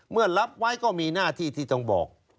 รับไว้ก็มีหน้าที่ที่ต้องบอก